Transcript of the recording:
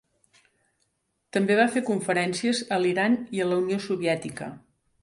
També va fer conferències a l'Iran i a la Unió Soviètica.